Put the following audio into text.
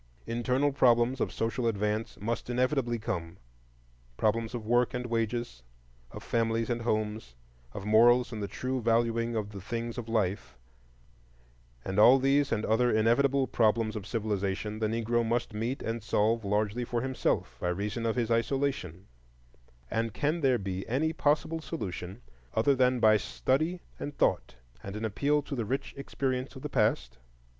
Internal problems of social advance must inevitably come, —problems of work and wages, of families and homes, of morals and the true valuing of the things of life; and all these and other inevitable problems of civilization the Negro must meet and solve largely for himself, by reason of his isolation; and can there be any possible solution other than by study and thought and an appeal to the rich experience of the past?